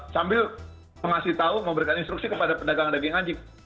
sambil mengasih tau memberikan instruksi kepada pedagang daging nging nging